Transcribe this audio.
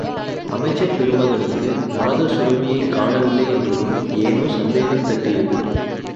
அமைச்சர் பெருமகனுக்கு, நாதசுரபியைக் காணவில்லை என்றதும், ஏனோ சந்தேகம் தட்டியது.